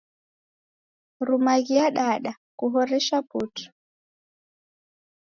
Rumaghia dada, kuhoresha putu.